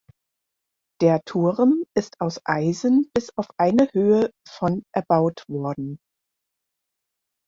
Der Turm ist aus Eisen bis auf eine Höhe von erbaut worden.